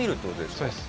そうです。